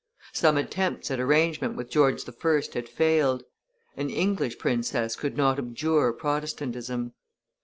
Some attempts at arrangement with George I. had failed; an English princess could not abjure Protestantism.